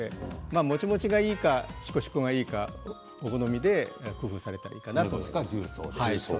もちもちがいいかしこしこがいいかお好みで工夫されたらいいと思います。